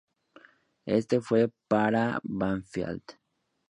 Este fue para Banfield.